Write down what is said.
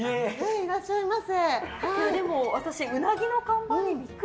いらっしゃいませ。